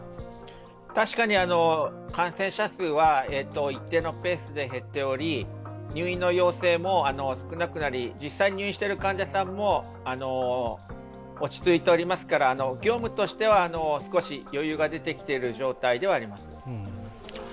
確かに感染者数は一定のペースで減っており、入院の要請も少なくなり、実際に入院している患者さんも落ち着いておりますから、業務としては少し余裕が出てきている状態ではあります。